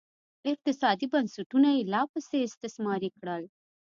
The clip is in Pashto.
اقتصادي بنسټونه یې لاپسې استثماري کړل